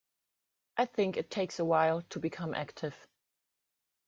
I think it takes a while to become active.